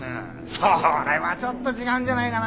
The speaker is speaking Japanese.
それはちょっと違うんじゃないかな。